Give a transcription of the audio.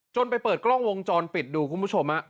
ไปเปิดกล้องวงจรปิดดูคุณผู้ชม